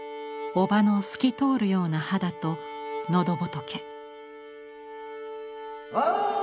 おばの透き通るような肌と喉仏。